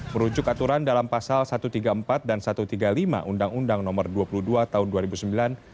merujuk aturan dalam pasal satu ratus tiga puluh empat dan satu ratus tiga puluh lima undang undang nomor dua puluh dua tahun dua ribu sembilan